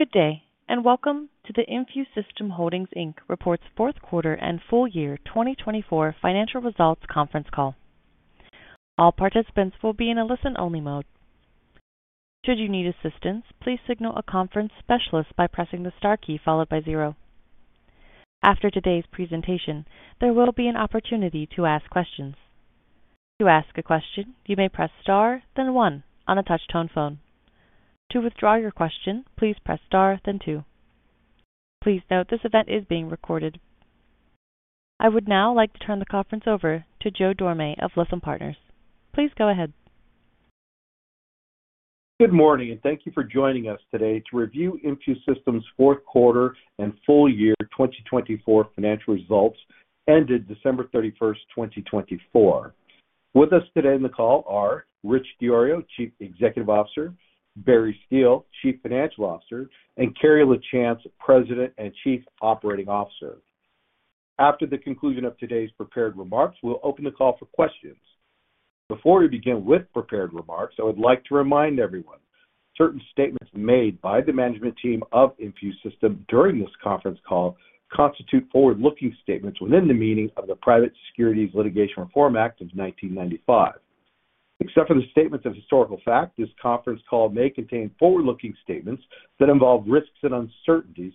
Good day, and welcome to the InfuSystem Holdings Report's Fourth Quarter and Full Year 2024 Financial Results Conference Call. All participants will be in a listen-only mode. Should you need assistance, please signal a conference specialist by pressing the star key followed by zero. After today's presentation, there will be an opportunity to ask questions. To ask a question, you may press star, then one on a touch-tone phone. To withdraw your question, please press star, then two. Please note this event is being recorded. I would now like to turn the conference over to Joe Dorame of Lytham Partners. Please go ahead. Good morning, and thank you for joining us today to review InfuSystem's fourth quarter and full year 2024 financial results ended December 31, 2024. With us today on the call are Rich DiIorio, Chief Executive Officer; Barry Steele, Chief Financial Officer; and Carrie Lachance, President and Chief Operating Officer. After the conclusion of today's prepared remarks, we'll open the call for questions. Before we begin with prepared remarks, I would like to remind everyone certain statements made by the management team of InfuSystem during this conference call constitute forward-looking statements within the meaning of the Private Securities Litigation Reform Act of 1995. Except for the statements of historical fact, this conference call may contain forward-looking statements that involve risks and uncertainties,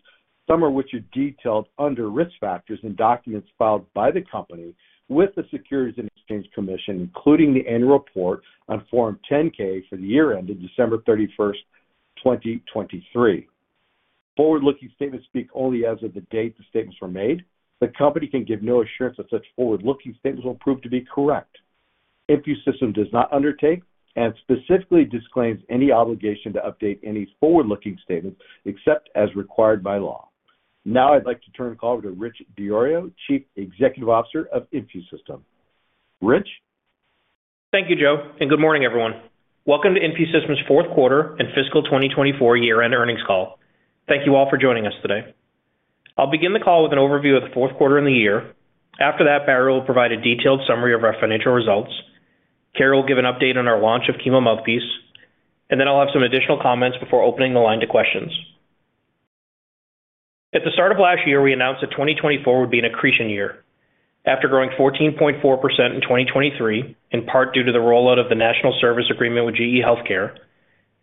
some of which are detailed under risk factors in documents filed by the company with the Securities and Exchange Commission, including the annual report on Form 10-K for the year ended December 31, 2023. Forward-looking statements speak only as of the date the statements were made. The company can give no assurance that such forward-looking statements will prove to be correct. InfuSystem does not undertake and specifically disclaims any obligation to update any forward-looking statements except as required by law. Now, I'd like to turn the call over to Rich DiIorio, Chief Executive Officer of InfuSystem. Rich? Thank you, Joe, and good morning, everyone. Welcome to InfuSystem's fourth quarter and fiscal 2024 year-end earnings call. Thank you all for joining us today. I'll begin the call with an overview of the fourth quarter and the year. After that, Barry will provide a detailed summary of our financial results. Carrie will give an update on our launch of Chemo Mouthpiece, and then I'll have some additional comments before opening the line to questions. At the start of last year, we announced that 2024 would be an accretion year. After growing 14.4% in 2023, in part due to the rollout of the National Service Agreement with GE Healthcare,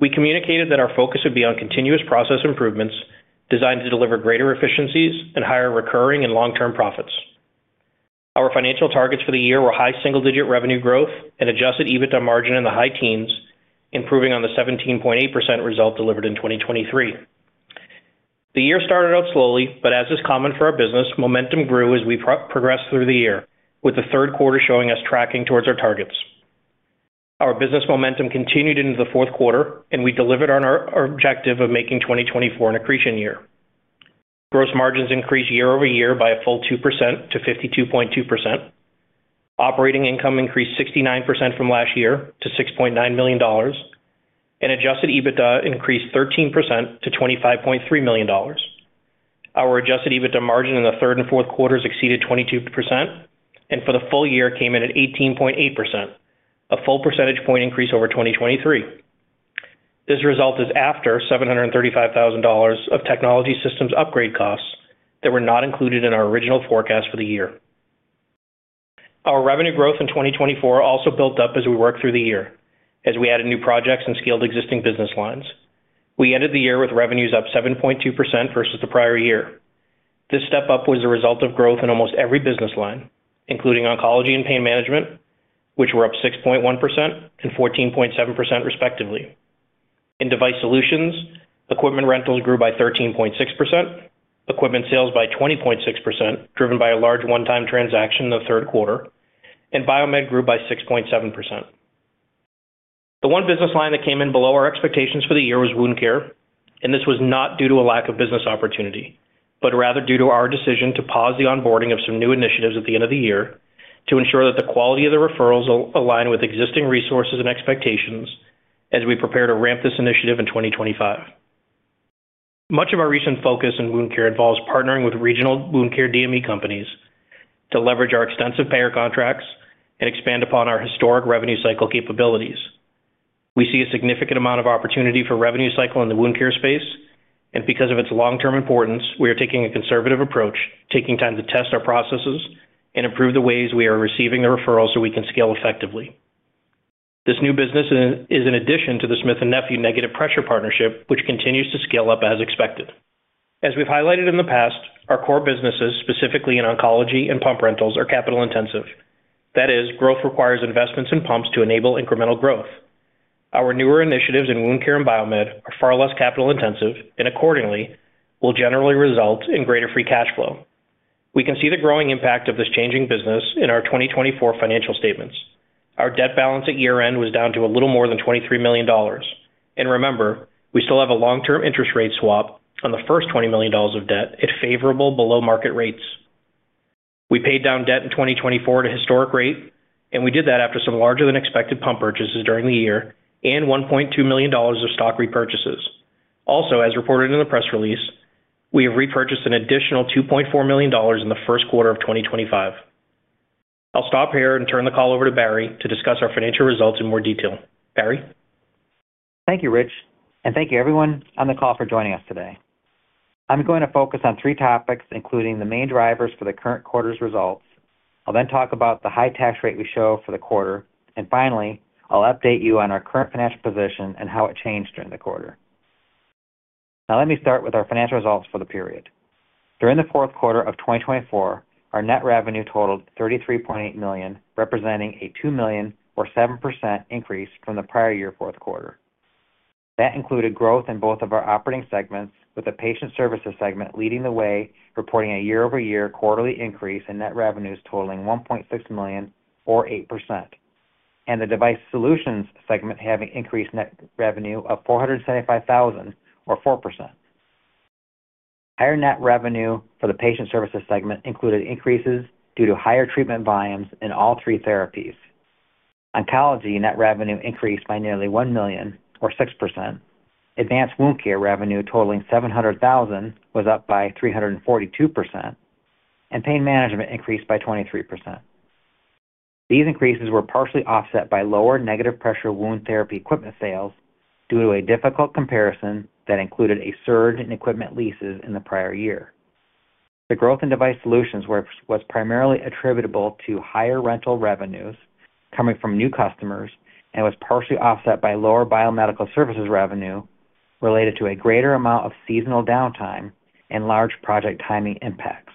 we communicated that our focus would be on continuous process improvements designed to deliver greater efficiencies and higher recurring and long-term profits. Our financial targets for the year were high single-digit revenue growth and adjusted EBITDA margin in the high teens, improving on the 17.8% result delivered in 2023. The year started out slowly, but as is common for our business, momentum grew as we progressed through the year, with the third quarter showing us tracking towards our targets. Our business momentum continued into the fourth quarter, and we delivered on our objective of making 2024 an accretion year. Gross margins increased year over year by a full 2% to 52.2%. Operating income increased 69% from last year to $6.9 million, and adjusted EBITDA increased 13% to $25.3 million. Our adjusted EBITDA margin in the third and fourth quarters exceeded 22%, and for the full year came in at 18.8%, a full percentage point increase over 2023. This result is after $735,000 of technology systems upgrade costs that were not included in our original forecast for the year. Our revenue growth in 2024 also built up as we worked through the year, as we added new projects and scaled existing business lines. We ended the year with revenues up 7.2% versus the prior year. This step up was the result of growth in almost every business line, including oncology and pain management, which were up 6.1% and 14.7% respectively. In device solutions, equipment rentals grew by 13.6%, equipment sales by 20.6%, driven by a large one-time transaction in the third quarter, and biomed grew by 6.7%. The one business line that came in below our expectations for the year was wound care, and this was not due to a lack of business opportunity, but rather due to our decision to pause the onboarding of some new initiatives at the end of the year to ensure that the quality of the referrals align with existing resources and expectations as we prepare to ramp this initiative in 2025. Much of our recent focus in wound care involves partnering with regional wound care DME companies to leverage our extensive payer contracts and expand upon our historic revenue cycle capabilities. We see a significant amount of opportunity for revenue cycle in the wound care space, and because of its long-term importance, we are taking a conservative approach, taking time to test our processes and improve the ways we are receiving the referrals so we can scale effectively. This new business is in addition to the Smith & Nephew negative pressure partnership, which continues to scale up as expected. As we've highlighted in the past, our core businesses, specifically in oncology and pump rentals, are capital-intensive. That is, growth requires investments in pumps to enable incremental growth. Our newer initiatives in wound care and biomed are far less capital-intensive, and accordingly, will generally result in greater free cash flow. We can see the growing impact of this changing business in our 2024 financial statements. Our debt balance at year-end was down to a little more than $23 million. Remember, we still have a long-term interest rate swap on the first $20 million of debt at favorable below-market rates. We paid down debt in 2024 at a historic rate, and we did that after some larger-than-expected pump purchases during the year and $1.2 million of stock repurchases. Also, as reported in the press release, we have repurchased an additional $2.4 million in the first quarter of 2025. I'll stop here and turn the call over to Barry to discuss our financial results in more detail. Barry? Thank you, Rich, and thank you, everyone on the call for joining us today. I'm going to focus on three topics, including the main drivers for the current quarter's results. I'll then talk about the high tax rate we show for the quarter. Finally, I'll update you on our current financial position and how it changed during the quarter. Now, let me start with our financial results for the period. During the fourth quarter of 2024, our net revenue totaled $33.8 million, representing a $2 million, or 7%, increase from the prior year fourth quarter. That included growth in both of our operating segments, with the patient services segment leading the way, reporting a year-over-year quarterly increase in net revenues totaling $1.6 million, or 8%, and the device solutions segment having increased net revenue of $475,000, or 4%. Higher net revenue for the patient services segment included increases due to higher treatment volumes in all three therapies. Oncology net revenue increased by nearly $1 million, or 6%. Advanced wound care revenue totaling $700,000 was up by 342%, and pain management increased by 23%. These increases were partially offset by lower negative pressure wound therapy equipment sales due to a difficult comparison that included a surge in equipment leases in the prior year. The growth in device solutions was primarily attributable to higher rental revenues coming from new customers and was partially offset by lower biomedical services revenue related to a greater amount of seasonal downtime and large project timing impacts.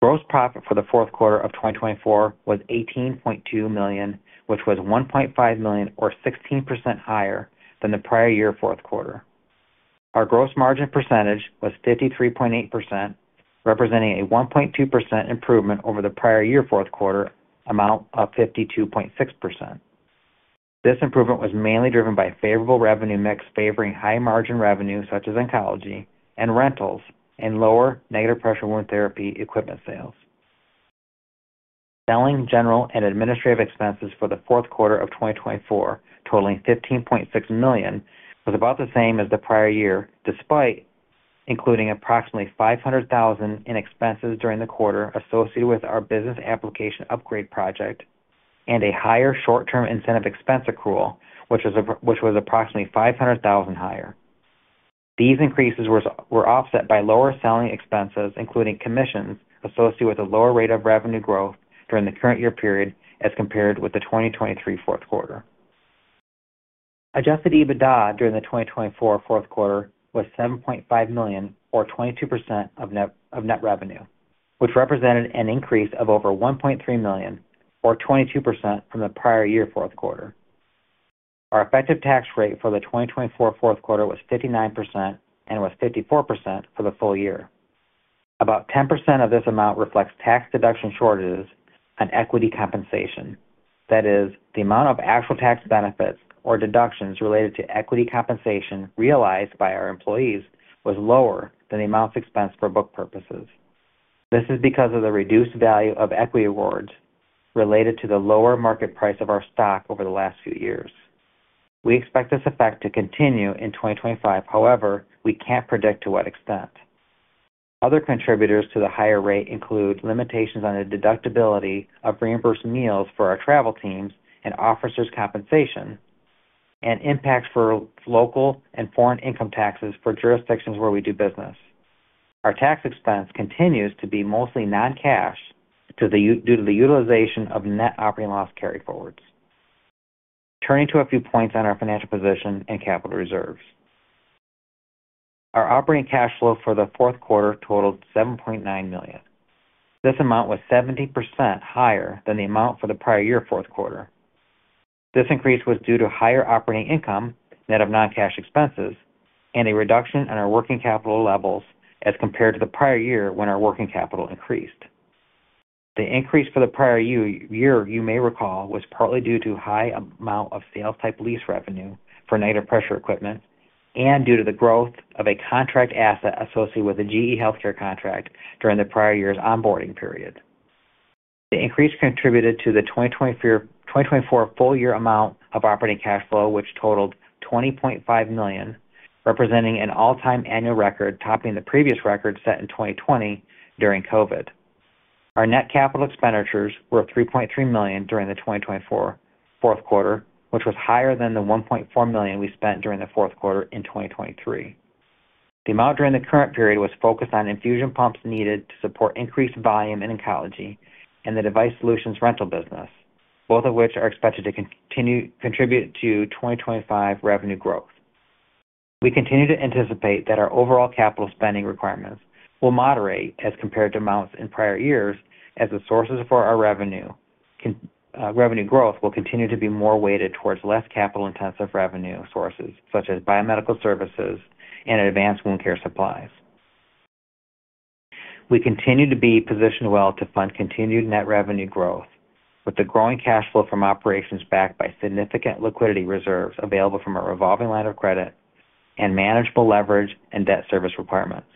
Gross profit for the fourth quarter of 2024 was $18.2 million, which was $1.5 million, or 16%, higher than the prior year fourth quarter. Our gross margin percentage was 53.8%, representing a 1.2% improvement over the prior year fourth quarter amount of 52.6%. This improvement was mainly driven by favorable revenue mix favoring high-margin revenue, such as oncology and rentals, and lower negative pressure wound therapy equipment sales. Selling, general and administrative expenses for the fourth quarter of 2024, totaling $15.6 million, was about the same as the prior year, despite including approximately $500,000 in expenses during the quarter associated with our business application upgrade project and a higher short-term incentive expense accrual, which was approximately $500,000 higher. These increases were offset by lower selling expenses, including commissions associated with a lower rate of revenue growth during the current year period as compared with the 2023 fourth quarter. Adjusted EBITDA during the 2024 fourth quarter was $7.5 million, or 22% of net revenue, which represented an increase of over $1.3 million, or 22%, from the prior year fourth quarter. Our effective tax rate for the 2024 fourth quarter was 59% and was 54% for the full year. About 10% of this amount reflects tax deduction shortages on equity compensation. That is, the amount of actual tax benefits or deductions related to equity compensation realized by our employees was lower than the amount of expense for book purposes. This is because of the reduced value of equity awards related to the lower market price of our stock over the last few years. We expect this effect to continue in 2025; however, we can't predict to what extent. Other contributors to the higher rate include limitations on the deductibility of reimbursed meals for our travel teams and officers' compensation, and impacts for local and foreign income taxes for jurisdictions where we do business. Our tax expense continues to be mostly non-cash due to the utilization of net operating loss carryforwards. Turning to a few points on our financial position and capital reserves. Our operating cash flow for the fourth quarter totaled $7.9 million. This amount was 70% higher than the amount for the prior year fourth quarter. This increase was due to higher operating income, net of non-cash expenses, and a reduction in our working capital levels as compared to the prior year when our working capital increased. The increase for the prior year, you may recall, was partly due to a high amount of sales-type lease revenue for negative pressure equipment and due to the growth of a contract asset associated with a GE Healthcare contract during the prior year's onboarding period. The increase contributed to the 2024 full year amount of operating cash flow, which totaled $20.5 million, representing an all-time annual record, topping the previous record set in 2020 during COVID. Our net capital expenditures were $3.3 million during the 2024 fourth quarter, which was higher than the $1.4 million we spent during the fourth quarter in 2023. The amount during the current period was focused on infusion pumps needed to support increased volume in oncology and the device solutions rental business, both of which are expected to contribute to 2025 revenue growth. We continue to anticipate that our overall capital spending requirements will moderate as compared to amounts in prior years, as the sources for our revenue growth will continue to be more weighted towards less capital-intensive revenue sources, such as biomedical services and advanced wound care supplies. We continue to be positioned well to fund continued net revenue growth, with the growing cash flow from operations backed by significant liquidity reserves available from our revolving line of credit and manageable leverage and debt service requirements.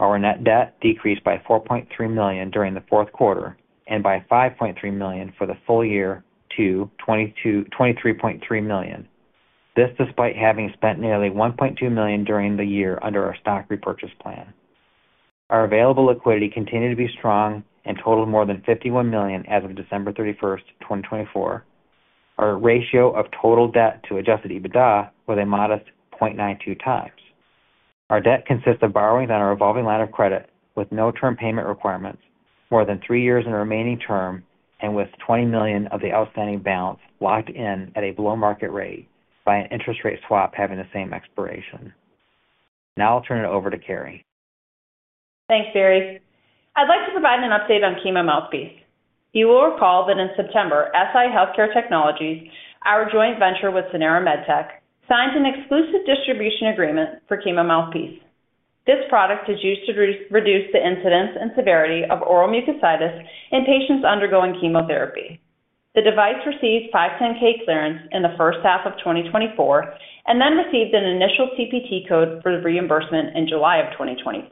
Our net debt decreased by $4.3 million during the fourth quarter and by $5.3 million for the full year to $23.3 million, this despite having spent nearly $1.2 million during the year under our stock repurchase plan. Our available liquidity continued to be strong and totaled more than $51 million as of December 31, 2024. Our ratio of total debt to adjusted EBITDA was a modest 0.92x. Our debt consists of borrowing on our revolving line of credit with no term payment requirements, more than three years in the remaining term, and with $20 million of the outstanding balance locked in at a below-market rate by an interest rate swap having the same expiration. Now I'll turn it over to Carrie. Thanks, Barry. I'd like to provide an update on Chemo Mouthpiece. You will recall that in September, SI Healthcare Technologies, our joint venture with Sanara MedTech, signed an exclusive distribution agreement for Chemo Mouthpiece. This product is used to reduce the incidence and severity of oral mucositis in patients undergoing chemotherapy. The device received 510(k) clearance in the first half of 2024 and then received an initial CPT code for the reimbursement in July of 2024.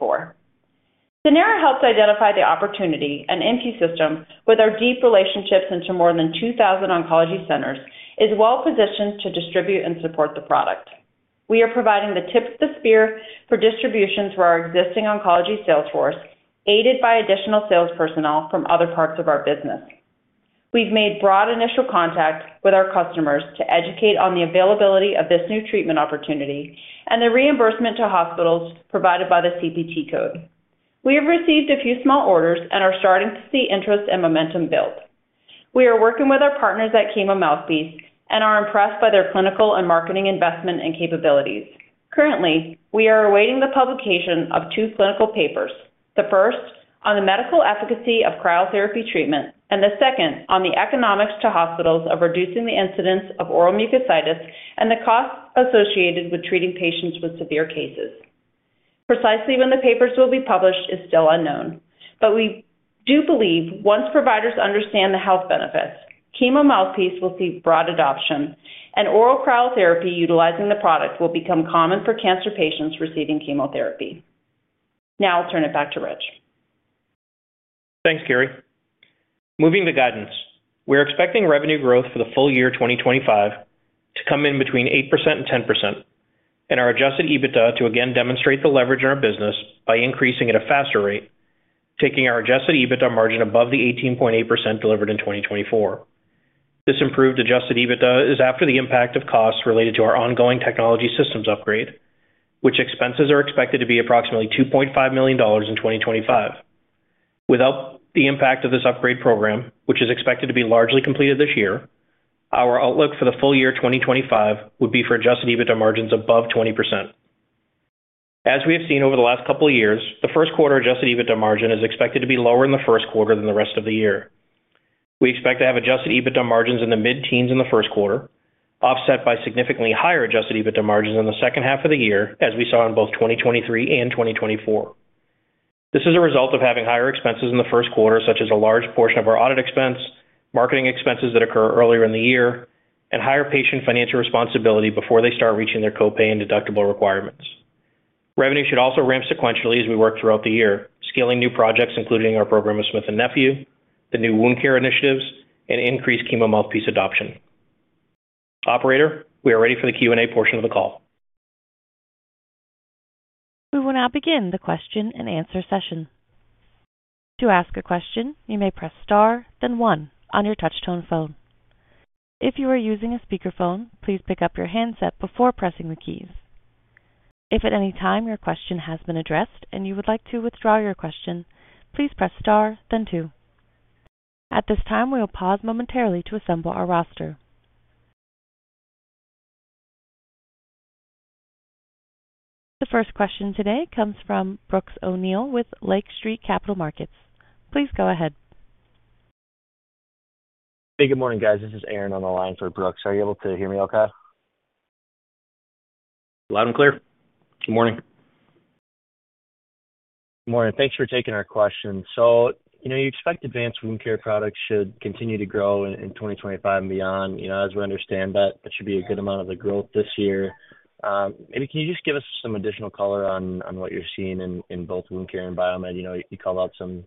Sanara helps identify the opportunity and NP Systems, with our deep relationships into more than 2,000 oncology centers, is well-positioned to distribute and support the product. We are providing the tip of the spear for distributions for our existing oncology sales force, aided by additional sales personnel from other parts of our business. We've made broad initial contact with our customers to educate on the availability of this new treatment opportunity and the reimbursement to hospitals provided by the CPT code. We have received a few small orders and are starting to see interest and momentum build. We are working with our partners at Chemo Mouthpiece and are impressed by their clinical and marketing investment and capabilities. Currently, we are awaiting the publication of two clinical papers, the first on the medical efficacy of cryotherapy treatment and the second on the economics to hospitals of reducing the incidence of oral mucositis and the costs associated with treating patients with severe cases. Precisely when the papers will be published is still unknown, but we do believe once providers understand the health benefits, Chemo Mouthpiece will see broad adoption, and oral cryotherapy utilizing the product will become common for cancer patients receiving chemotherapy. Now I'll turn it back to Rich. Thanks, Carrie. Moving to guidance, we're expecting revenue growth for the full year 2025 to come in between 8% and 10%, and our adjusted EBITDA to again demonstrate the leverage in our business by increasing at a faster rate, taking our adjusted EBITDA margin above the 18.8% delivered in 2024. This improved adjusted EBITDA is after the impact of costs related to our ongoing technology systems upgrade, which expenses are expected to be approximately $2.5 million in 2025. Without the impact of this upgrade program, which is expected to be largely completed this year, our outlook for the full year 2025 would be for adjusted EBITDA margins above 20%. As we have seen over the last couple of years, the first quarter adjusted EBITDA margin is expected to be lower in the first quarter than the rest of the year. We expect to have adjusted EBITDA margins in the mid-teens in the first quarter, offset by significantly higher adjusted EBITDA margins in the second half of the year, as we saw in both 2023 and 2024. This is a result of having higher expenses in the first quarter, such as a large portion of our audit expense, marketing expenses that occur earlier in the year, and higher patient financial responsibility before they start reaching their copay and deductible requirements. Revenue should also ramp sequentially as we work throughout the year, scaling new projects, including our program of Smith & Nephew, the new wound care initiatives, and increased Chemo Mouthpiece adoption. Operator, we are ready for the Q&A portion of the call. We will now begin the question and answer session. To ask a question, you may press star, then one on your touch-tone phone. If you are using a speakerphone, please pick up your handset before pressing the keys. If at any time your question has been addressed and you would like to withdraw your question, please press star, then two. At this time, we will pause momentarily to assemble our roster. The first question today comes from Brooks O'Neil with Lake Street Capital Markets. Please go ahead. Hey, good morning, guys. This is Aaron on the line for Brooks. Are you able to hear me okay? Loud and clear. Good morning. Good morning. Thanks for taking our question. You expect advanced wound care products should continue to grow in 2025 and beyond. As we understand that, that should be a good amount of the growth this year. Maybe can you just give us some additional color on what you're seeing in both wound care and biomed? You called out some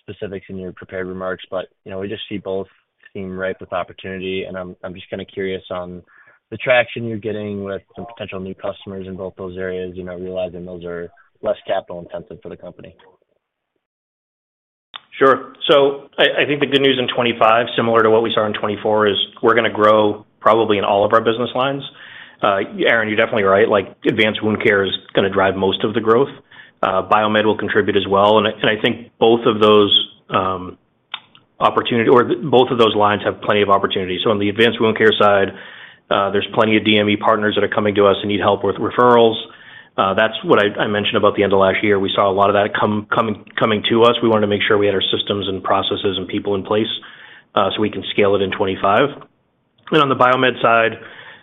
specifics in your prepared remarks, but we just see both seem ripe with opportunity. I'm just kind of curious on the traction you're getting with some potential new customers in both those areas, realizing those are less capital-intensive for the company. Sure. I think the good news in 2025, similar to what we saw in 2024, is we're going to grow probably in all of our business lines. Aaron, you're definitely right. Advanced wound care is going to drive most of the growth. Biomed will contribute as well. I think both of those opportunities or both of those lines have plenty of opportunity. On the advanced wound care side, there's plenty of DME partners that are coming to us and need help with referrals. That's what I mentioned about the end of last year. We saw a lot of that coming to us. We wanted to make sure we had our systems and processes and people in place so we can scale it in 2025. On the biomed side,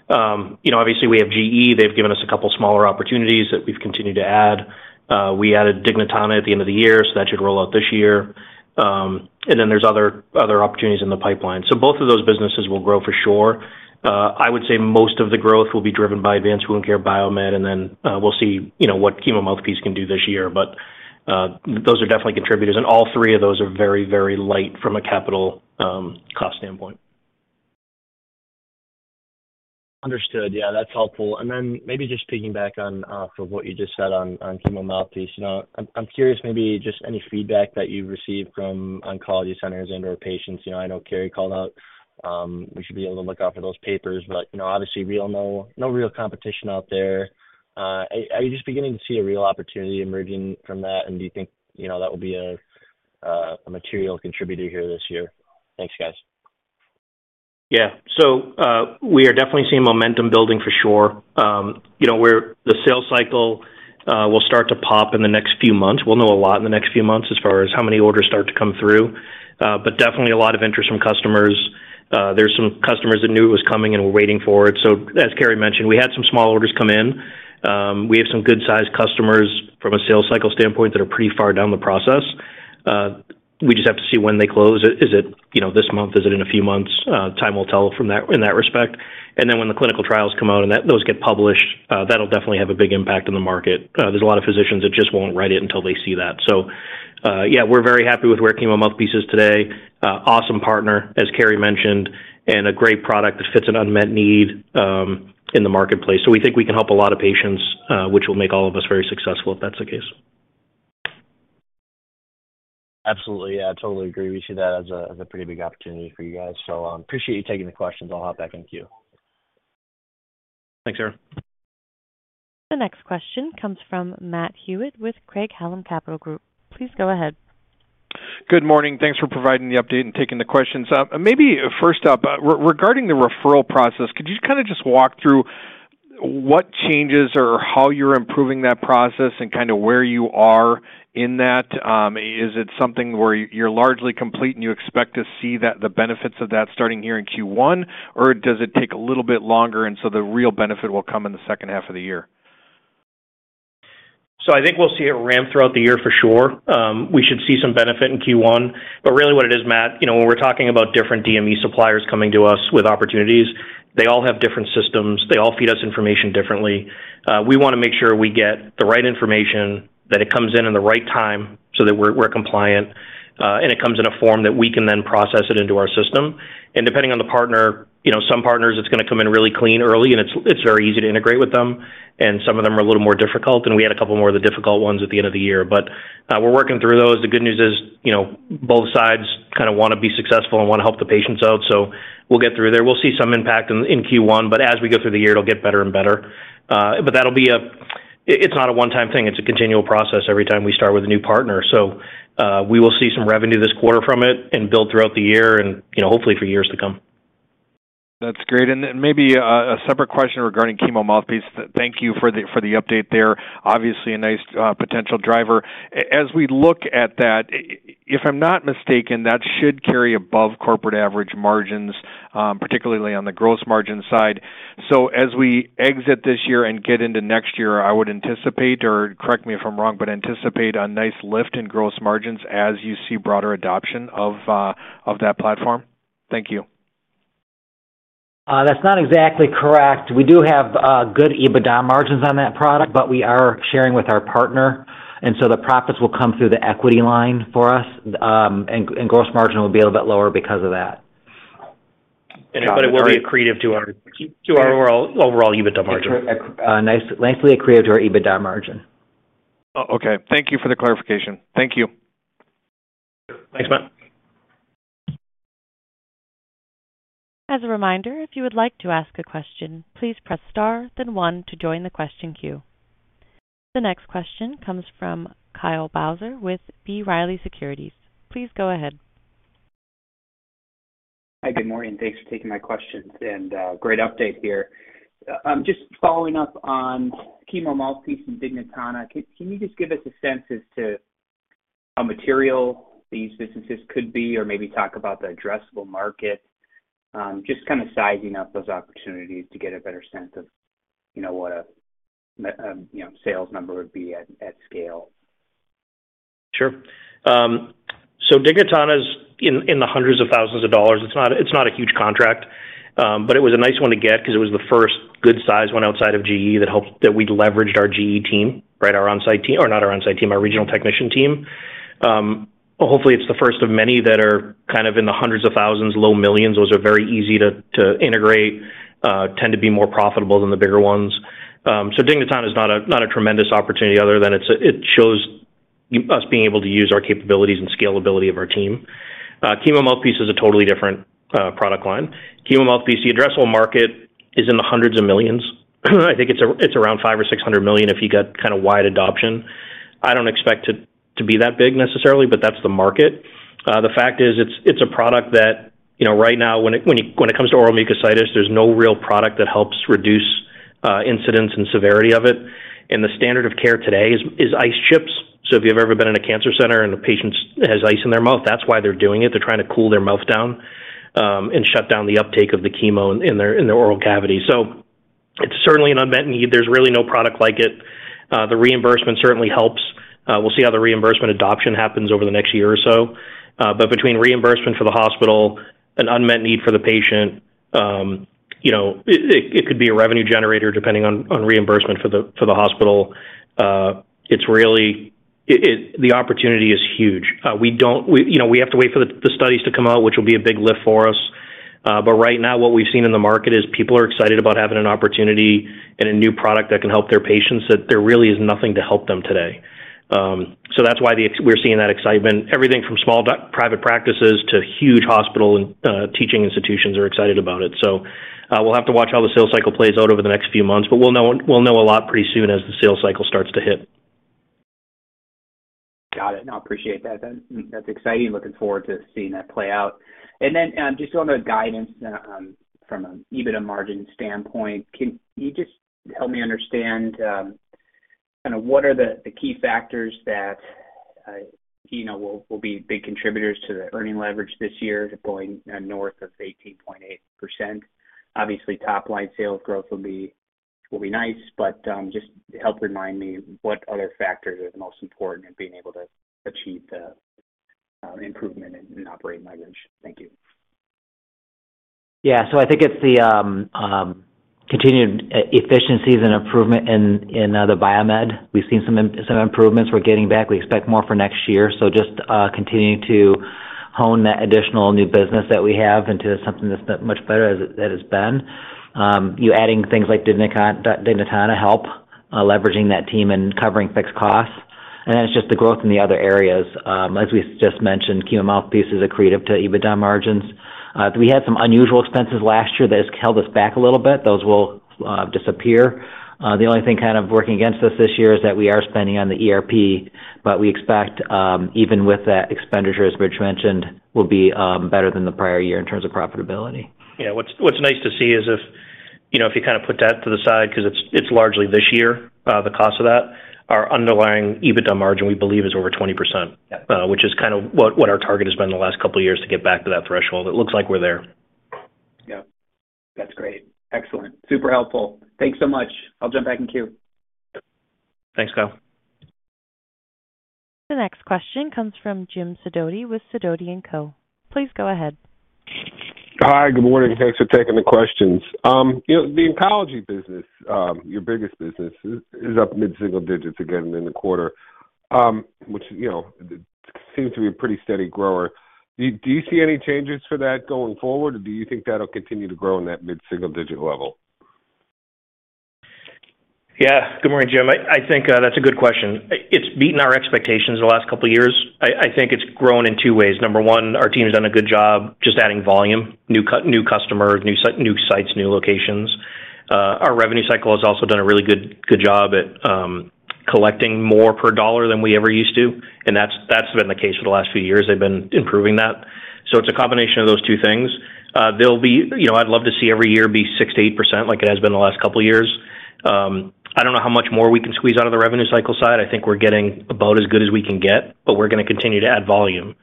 obviously, we have GE. They've given us a couple of smaller opportunities that we've continued to add. We added Dignitana at the end of the year, so that should roll out this year. There are other opportunities in the pipeline. Both of those businesses will grow for sure. I would say most of the growth will be driven by advanced wound care, biomed, and we will see what Chemo Mouthpiece can do this year. Those are definitely contributors. All three of those are very, very light from a capital cost standpoint. Understood. Yeah, that's helpful. Maybe just piggybacking off of what you just said on Chemo Mouthpiece, I'm curious maybe just any feedback that you've received from oncology centers and/or patients. I know Carrie called out we should be able to look out for those papers, but obviously, no real competition out there. Are you just beginning to see a real opportunity emerging from that? Do you think that will be a material contributor here this year? Thanks, guys. Yeah. We are definitely seeing momentum building for sure. The sales cycle will start to pop in the next few months. We'll know a lot in the next few months as far as how many orders start to come through, but definitely a lot of interest from customers. There are some customers that knew it was coming and were waiting for it. As Carrie mentioned, we had some small orders come in. We have some good-sized customers from a sales cycle standpoint that are pretty far down the process. We just have to see when they close. Is it this month? Is it in a few months? Time will tell in that respect. When the clinical trials come out and those get published, that will definitely have a big impact in the market. There are a lot of physicians that just will not write it until they see that. Yeah, we are very happy with where Chemo Mouthpiece is today. Awesome partner, as Carrie mentioned, and a great product that fits an unmet need in the marketplace. We think we can help a lot of patients, which will make all of us very successful if that is the case. Absolutely. Yeah, I totally agree. We see that as a pretty big opportunity for you guys. Appreciate you taking the questions. I'll hop back to you. Thanks, Aaron. The next question comes from Matt Hewitt with Craig-Hallum Capital Group. Please go ahead. Good morning. Thanks for providing the update and taking the questions. Maybe first up, regarding the referral process, could you kind of just walk through what changes or how you're improving that process and kind of where you are in that? Is it something where you're largely complete and you expect to see the benefits of that starting here in Q1, or does it take a little bit longer and so the real benefit will come in the second half of the year? I think we'll see it ramp throughout the year for sure. We should see some benefit in Q1. What it is, Matt, when we're talking about different DME suppliers coming to us with opportunities, they all have different systems. They all feed us information differently. We want to make sure we get the right information, that it comes in at the right time so that we're compliant, and it comes in a form that we can then process into our system. Depending on the partner, some partners, it's going to come in really clean early, and it's very easy to integrate with them. Some of them are a little more difficult, and we had a couple more of the difficult ones at the end of the year. We're working through those. The good news is both sides kind of want to be successful and want to help the patients out. We will get through there. We will see some impact in Q1, but as we go through the year, it will get better and better. That will be a—it is not a one-time thing. It is a continual process every time we start with a new partner. We will see some revenue this quarter from it and build throughout the year and hopefully for years to come. That's great. Maybe a separate question regarding Chemo Mouthpiece. Thank you for the update there. Obviously, a nice potential driver. As we look at that, if I'm not mistaken, that should carry above corporate average margins, particularly on the gross margin side. As we exit this year and get into next year, I would anticipate—or correct me if I'm wrong—but anticipate a nice lift in gross margins as you see broader adoption of that platform. Thank you. That's not exactly correct. We do have good EBITDA margins on that product, but we are sharing with our partner. The profits will come through the equity line for us, and gross margin will be a little bit lower because of that. It will be accretive to our overall EBITDA margin. Nicely accretive to our EBITDA margin. Okay. Thank you for the clarification. Thank you. Thanks, Matt. As a reminder, if you would like to ask a question, please press star, then one to join the question queue. The next question comes from Kyle Bauser with B. Riley Securities. Please go ahead. Hi, good morning. Thanks for taking my questions. Great update here. Just following up on Chemo Mouthpiece and Dignitana, can you just give us a sense as to how material these businesses could be or maybe talk about the addressable market? Just kind of sizing up those opportunities to get a better sense of what a sales number would be at scale. Sure. Dignitana's in the hundreds of thousands of dollars. It's not a huge contract, but it was a nice one to get because it was the first good-sized one outside of GE that we leveraged our GE team, right? Our on-site team—or not our on-site team—our regional technician team. Hopefully, it's the first of many that are kind of in the hundreds of thousands, low millions. Those are very easy to integrate, tend to be more profitable than the bigger ones. Dignitana is not a tremendous opportunity other than it shows us being able to use our capabilities and scalability of our team. Chemo Mouthpiece is a totally different product line. Chemo Mouthpiece, the addressable market is in the hundreds of millions. I think it's around $500 million or $600 million if you get kind of wide adoption. I don't expect it to be that big necessarily, but that's the market. The fact is it's a product that right now, when it comes to oral mucositis, there's no real product that helps reduce incidence and severity of it. The standard of care today is ice chips. If you've ever been in a cancer center and a patient has ice in their mouth, that's why they're doing it. They're trying to cool their mouth down and shut down the uptake of the chemo in their oral cavity. It is certainly an unmet need. There's really no product like it. The reimbursement certainly helps. We'll see how the reimbursement adoption happens over the next year or so. Between reimbursement for the hospital, an unmet need for the patient, it could be a revenue generator depending on reimbursement for the hospital. The opportunity is huge. We have to wait for the studies to come out, which will be a big lift for us. Right now, what we've seen in the market is people are excited about having an opportunity and a new product that can help their patients, that there really is nothing to help them today. That is why we're seeing that excitement. Everything from small private practices to huge hospital and teaching institutions are excited about it. We will have to watch how the sales cycle plays out over the next few months, but we'll know a lot pretty soon as the sales cycle starts to hit. Got it. No, I appreciate that. That's exciting. Looking forward to seeing that play out. Just on the guidance from an EBITDA margin standpoint, can you just help me understand kind of what are the key factors that will be big contributors to the earning leverage this year going north of 18.8%? Obviously, top-line sales growth will be nice, but just help remind me what other factors are the most important in being able to achieve the improvement in operating leverage. Thank you. Yeah. I think it's the continued efficiencies and improvement in the biomed. We've seen some improvements. We're getting back. We expect more for next year. Just continuing to hone that additional new business that we have into something that's much better as it has been. Adding things like Dignitana help leveraging that team and covering fixed costs. Then it's just the growth in the other areas. As we just mentioned, Chemo Mouthpiece is accretive to EBITDA margins. We had some unusual expenses last year that have held us back a little bit. Those will disappear. The only thing kind of working against us this year is that we are spending on the ERP, but we expect even with that expenditure, as Rich mentioned, will be better than the prior year in terms of profitability. Yeah. What's nice to see is if you kind of put that to the side because it's largely this year, the cost of that, our underlying EBITDA margin, we believe, is over 20%, which is kind of what our target has been the last couple of years to get back to that threshold. It looks like we're there. Yeah. That's great. Excellent. Super helpful. Thanks so much. I'll jump back in queue. Thanks, Kyle. The next question comes from Jim Sidoti with Sidoti & Company. Please go ahead. Hi, good morning. Thanks for taking the questions. The Oncology business, your biggest business, is up mid-single digits again in the quarter, which seems to be a pretty steady grower. Do you see any changes for that going forward, or do you think that'll continue to grow in that mid-single digit level? Yeah. Good morning, Jim. I think that's a good question. It's beaten our expectations the last couple of years. I think it's grown in two ways. Number one, our team's done a good job just adding volume, new customers, new sites, new locations. Our revenue cycle has also done a really good job at collecting more per dollar than we ever used to. That's been the case for the last few years. They've been improving that. It's a combination of those two things. I'd love to see every year be 6-8% like it has been the last couple of years. I don't know how much more we can squeeze out of the revenue cycle side. I think we're getting about as good as we can get, but we're going to continue to add volume.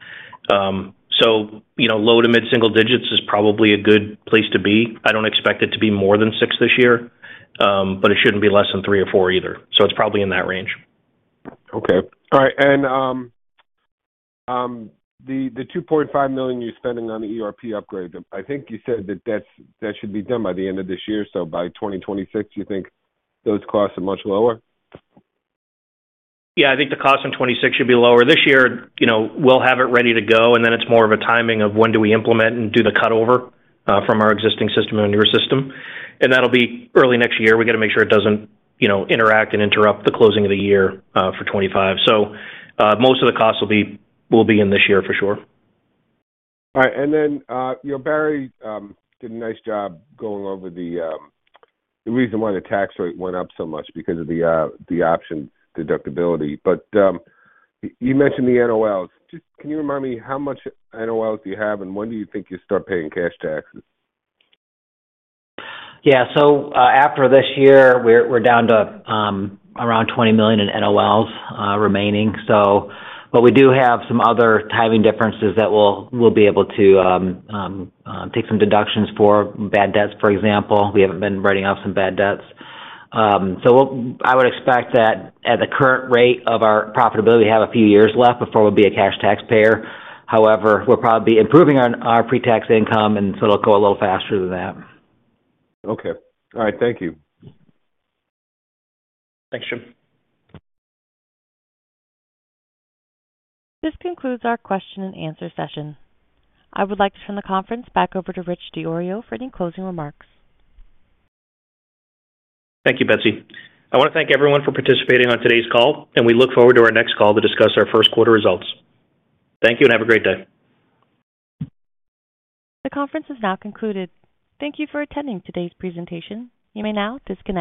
Low to mid-single digits is probably a good place to be. I don't expect it to be more than 6 this year, but it shouldn't be less than 3 or 4 either. It's probably in that range. All right. The $2.5 million you're spending on the ERP upgrade, I think you said that that should be done by the end of this year. By 2026, you think those costs are much lower? Yeah. I think the cost in 2026 should be lower. This year, we'll have it ready to go, and then it's more of a timing of when do we implement and do the cutover from our existing system and your system. That'll be early next year. We got to make sure it doesn't interact and interrupt the closing of the year for 2025. Most of the costs will be in this year for sure. All right. Barry did a nice job going over the reason why the tax rate went up so much because of the option deductibility. You mentioned the NOLs. Can you remind me how much NOLs do you have, and when do you think you'll start paying cash taxes? Yeah. After this year, we're down to around $20 million in NOLs remaining. We do have some other timing differences that we'll be able to take some deductions for. Bad debts, for example. We haven't been writing off some bad debts. I would expect that at the current rate of our profitability, we have a few years left before we'll be a cash taxpayer. However, we'll probably be improving our pre-tax income, and so it'll go a little faster than that. Okay. All right. Thank you. Thanks, Jim. This concludes our question-and-answer session. I would like to turn the conference back over to Rich DiIorio for any closing remarks. Thank you, Betsy. I want to thank everyone for participating on today's call, and we look forward to our next call to discuss our first quarter results. Thank you and have a great day. The conference is now concluded. Thank you for attending today's presentation. You may now disconnect.